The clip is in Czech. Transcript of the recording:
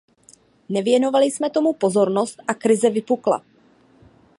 Nevěnovali jsme tomu pozornost a krize vypukla.